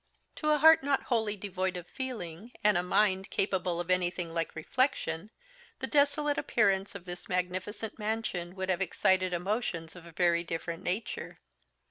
To a heart not wholly devoid of feeling, and a mind capable of anything like reflection, the desolate appearance of this magnificent mansion would have excited emotions of a very different nature.